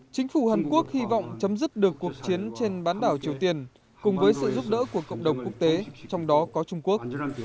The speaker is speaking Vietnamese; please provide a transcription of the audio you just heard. chính phủ hàn quốc hy vọng chấm dứt được cuộc chiến trên bán đảo triều tiên cùng với sự giúp đỡ của cộng đồng quốc tế trong đó có trung quốc